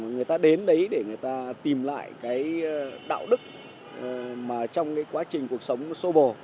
người ta đến đấy để người ta tìm lại cái đạo đức mà trong cái quá trình cuộc sống sô bồ